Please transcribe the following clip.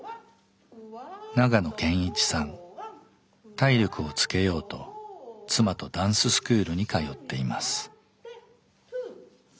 体力をつけようと妻とダンススクールに通っています。